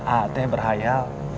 ah teh berhayal